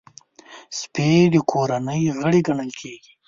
سپي د کورنۍ غړی ګڼل کېږي.